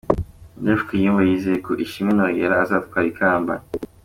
Rev Kayumba yizeye ko Ishimwe Noriella azatwara ikamba.